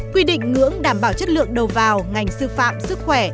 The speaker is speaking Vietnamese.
quy định ngưỡng đảm bảo chất lượng đầu vào ngành sư phạm sức khỏe